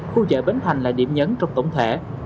khu chợ bến thành là điểm nhấn trong tổng thể